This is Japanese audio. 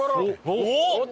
おっ！